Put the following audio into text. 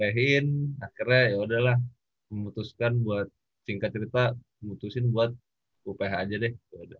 akhirnya yaudah lah memutuskan buat singkat cerita memutuskan buat uph aja deh